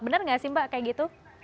benar nggak sih mbak kayak gitu